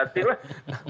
maksud saya begitu